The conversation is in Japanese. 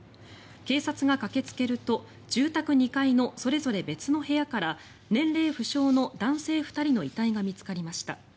警察が駆けつけると住宅２階のそれぞれ別の部屋から年齢不詳の男性２人の遺体が見つかりました。